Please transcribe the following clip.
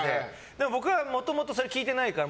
でも僕は、もともとそれ聞いてないから。